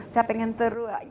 saya pengen teruak